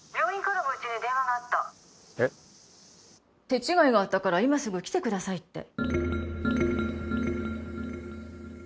手違いがあったから今すぐ来てくださいって。